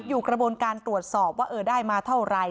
กระบวนการตรวจสอบว่าได้มาเท่าไร